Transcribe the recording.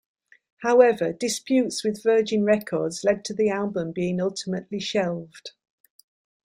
However, disputes with Virgin Records led to the album being ultimately shelved.